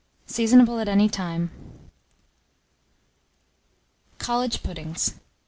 Seasonable at any time. COLLEGE PUDDINGS.